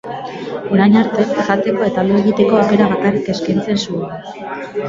Orain arte, jateko eta lo egiteko aukera bakarrik eskaintzen zuen.